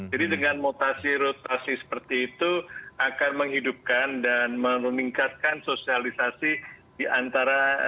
jadi dengan rotasi rotasi seperti itu akan menghidupkan dan meningkatkan sosialisasi diantara siswa